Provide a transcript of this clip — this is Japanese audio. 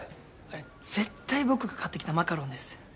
あれ絶対僕が買ってきたマカロンです。